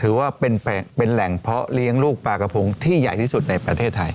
ถือว่าเป็นแหล่งเพาะเลี้ยงลูกปลากระพงที่ใหญ่ที่สุดในประเทศไทย